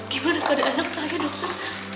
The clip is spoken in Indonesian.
gimana pada anak saya dokter